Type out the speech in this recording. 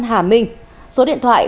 hà minh số điện thoại sáu mươi chín